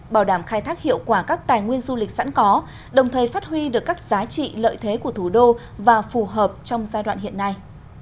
bảo đảm khai thác hiệu quả các tài nguyên du lịch sẵn có đồng thời phát huy được các giá trị lợi thế của thủ đô và phù hợp trong giai đoạn hiện nay